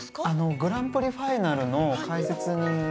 グランプリファイナルの解説に行くので。